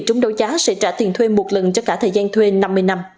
chúng đấu giá sẽ trả tiền thuê một lần cho cả thời gian thuê năm mươi năm